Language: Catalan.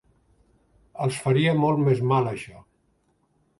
Els faria molt més mal això.